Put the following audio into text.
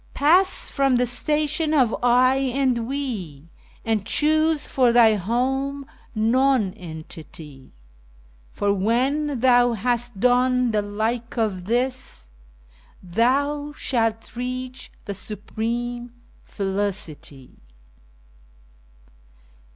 Pass from the station of "I" and "We," and choose for thy home Nonentity, For when thou has done the like of this, thou shalt reach the supreme Felicity.